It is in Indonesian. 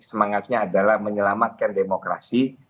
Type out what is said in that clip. semangatnya adalah menyelamatkan demokrasi